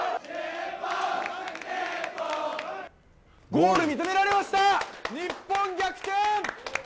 ゴール、認められました日本逆転！